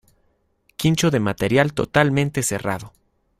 Quincho de material totalmente cerrado.